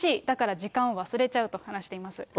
だから時間を忘れちゃうと話しています。